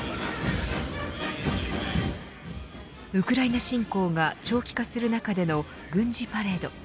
ウクライナ侵攻が長期化する中での軍事パレード。